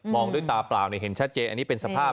องด้วยตาเปล่าเห็นชัดเจนอันนี้เป็นสภาพ